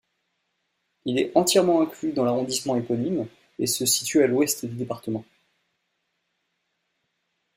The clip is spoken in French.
Il est entièrement inclus dans l'arrondissement éponyme, et se situe à l'ouest du département.